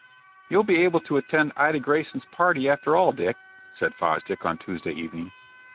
"You'll be able to attend Ida Greyson's party after all, Dick," said Fosdick, on Tuesday evening.